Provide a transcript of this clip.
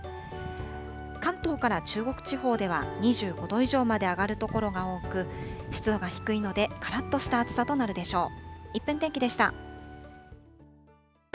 関東から中国地方では２５度以上まで上がる所が多く、湿度が低いので、からっとした暑さになるでしょう。